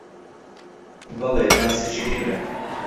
بەڵێ، باسێکی گرینگە